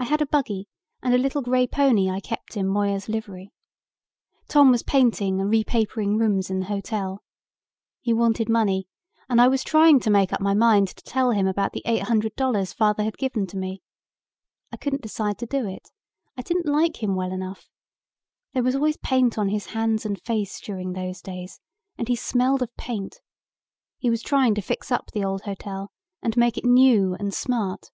"I had a buggy and a little grey pony I kept in Moyer's Livery. Tom was painting and repapering rooms in the hotel. He wanted money and I was trying to make up my mind to tell him about the eight hundred dollars father had given to me. I couldn't decide to do it. I didn't like him well enough. There was always paint on his hands and face during those days and he smelled of paint. He was trying to fix up the old hotel, and make it new and smart."